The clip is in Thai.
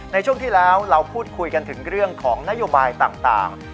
ในช่วงที่แล้วเราพูดคุยกันถึงเรื่องของนโยบายต่าง